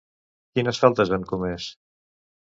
Quines faltes han comès?